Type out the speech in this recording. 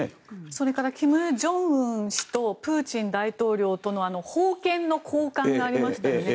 それから金正恩氏とプーチン大統領との宝剣の交換がありましたよね。